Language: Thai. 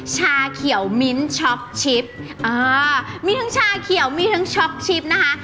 ชาเขียวมิ้นท์ช็อกชิปอ่ามีทั้งชาเขียวมีทั้งช็อกชิปนะคะ